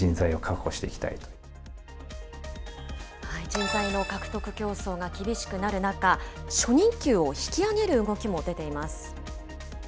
人材の獲得競争が厳しくなる中、初任給を引き上げる動きも出ています。